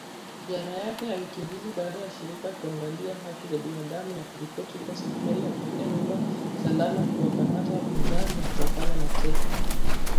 Ziara yake ya wiki mbili baada ya shirika kuangalia Haki za binadamu na kuripoti kua serikali inatumia nyumba salama kuwakamata wapinzani na kuwafanya mateka